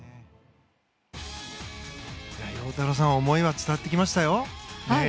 陽太郎さん思いは伝わってきましたよ。